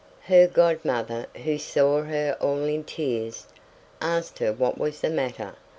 Her godmother, who saw her all in tears, asked her what was the matter.